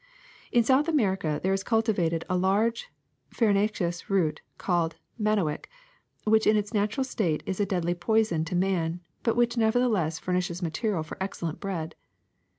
^^In South America there is cultivated a large far inaceous root called manioc, which in its natural state is a deadly poison to man, but which nevertheless furnishes material for excellent bread.